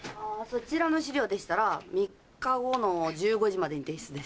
そちらの資料でしたら３日後の１５時までに提出です。